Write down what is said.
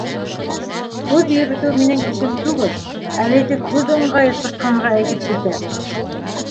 — Һүҙ йөрөтөү минең эшем түгел, әле тик һүҙ ыңғайы сыҡҡанға әйтеп китәм.